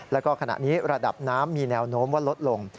แล้วก็ขณะนี้ระดับน้ำมีแนวโน้มว่าลดลง